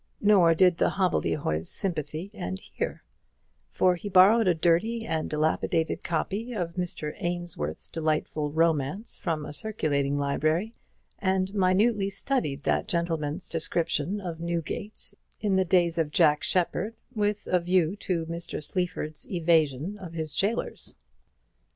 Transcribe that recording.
Nor did the hobbledehoy's sympathy end here; for he borrowed a dirty and dilapidated copy of Mr. Ainsworth's delightful romance from a circulating library, and minutely studied that gentleman's description of Newgate in the days of Jack Sheppard, with a view to Mr. Sleaford's evasion of his jailers.